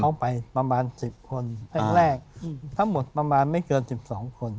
เข้าไปประมาณสิบคนแรกทั้งหมดประมาณไม่เกินสิบสองคน